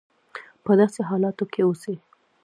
په داسې حالاتو کې اوسي.